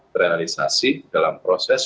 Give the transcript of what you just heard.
terrealisasi dalam proses